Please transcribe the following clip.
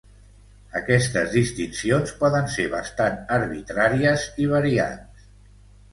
Aquestes distincions poden ser bastant arbitràries i variants.